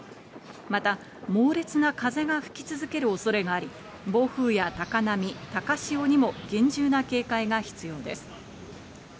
また猛烈な風が吹き続ける恐れがあり、暴風や高波、高潮にも厳重な警戒が必要です。